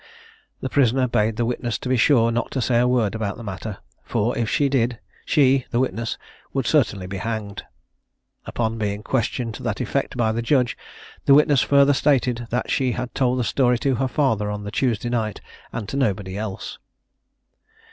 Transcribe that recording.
The prisoner bade the witness to be sure not to say a word about the matter; for, if she did, she (the witness) would certainly be hanged. Upon being questioned to that effect by the judge, this witness further stated that she had told the story to her father on the Tuesday night, and to nobody else.